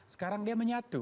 sekarang dia menyatu